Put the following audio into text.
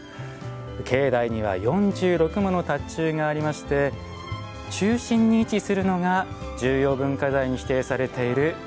境内には４６もの塔頭がありまして中心に位置するのが重要文化財に指定されている